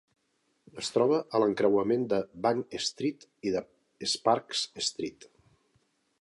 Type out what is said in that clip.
Es troba a l'encreuament de Bank Street i de Sparks Street.